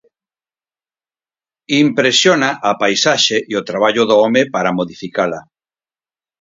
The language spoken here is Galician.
Impresiona a paisaxe e o traballo do home para modificala.